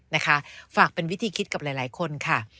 นะคะฝากเป็นวิธีคิดกับหลายคนค่ะ